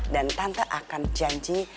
dan tante akan janji